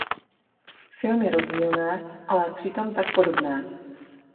Filmy rozdílné, ale přitom tak podobné...